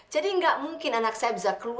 jadi nggak mungkin anak saya bisa kembali ke rumah